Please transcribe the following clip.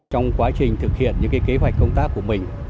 trong quá trình thực hiện những kế hoạch công tác của mình